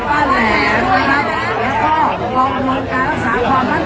ขอบคุณมากนะคะแล้วก็แถวนี้ยังมีชาติของ